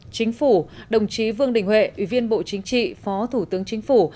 chính phủ đồng chí vương đình huệ ủy viên bộ chính trị phó thủ tướng chính phủ